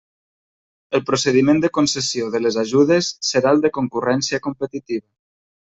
El procediment de concessió de les ajudes serà el de concurrència competitiva.